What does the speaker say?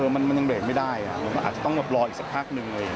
มันยังเบรกไม่ได้มันอาจจะต้องรออีกสักพักหนึ่ง